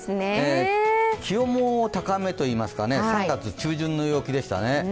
気温も高めといいますか、３月中旬の陽気でしたね。